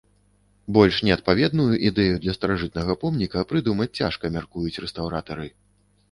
Больш неадпаведную ідэю для старажытнага помніка прыдумаць цяжка, мяркуюць рэстаўратары.